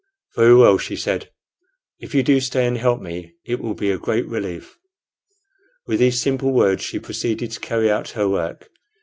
"Very well," said she; "if you do stay and help me, it will be a great relief." With these simple words she proceeded to carry out her work.